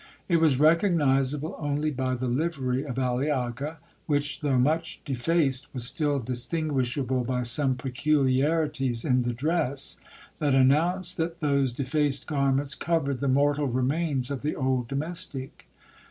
It was recognizable only by the livery of Aliaga, which, though much defaced, was still distinguishable by some peculiarities in the dress, that announced that those defaced garments covered the mortal remains of the old domestic.